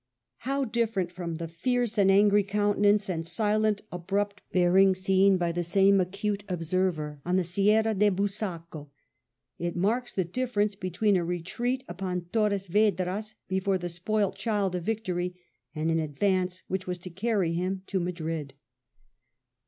How different from the fierce and angry countenance and silent) abrupt bearing seen by the same acute observer on the Sierra of Busaco. It marks the difference between a retreat upon Torres Vedras before the " spoilt child of victory" and an advance which was to carry him to Madrid.